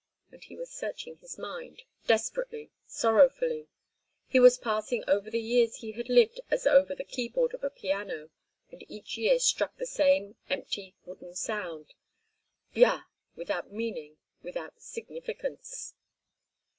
and he was searching his mind, desperately, sorrowfully—he was passing over the years he had lived as over the keyboard of a piano, and each year struck the same empty, wooden sound—"bya," without meaning, without significance.